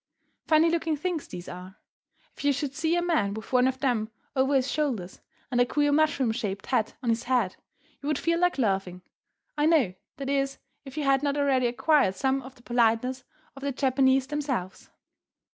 Funny looking things these are! If you should see a man with one of them over his shoulders, and a queer mushroom shaped hat on his head, you would feel like laughing, I know, that is, if you had not already acquired some of the politeness of the Japanese themselves.